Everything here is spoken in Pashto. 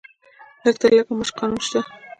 د لږ تر لږه معاش قانون شته؟